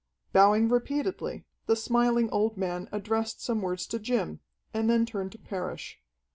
Bowing repeatedly, the smiling old man addressed some words to Jim, and then turned to Parrish.